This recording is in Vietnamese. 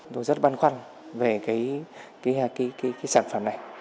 tôi rất băn khoăn về cái sản phẩm này